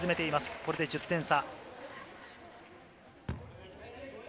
これで１０点差。